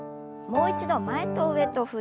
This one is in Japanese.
もう一度前と上に。